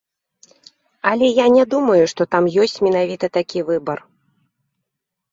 Але я не думаю, што там ёсць менавіта такі выбар.